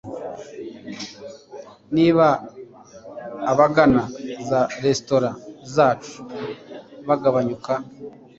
Niba abagana za resitora zacu bagabanyuka